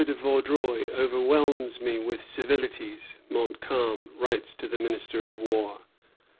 de Vaudreuil overwhelms me with civilities," Montcalm writes to the Minister of War.